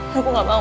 lo kok gak mau